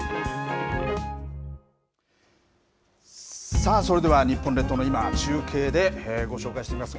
さあ、それでは日本列島の今、中継でご紹介していきます。